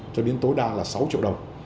cho đến tối đa là sáu triệu đồng